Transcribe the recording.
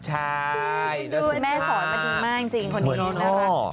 ใช่แล้วสุขมาก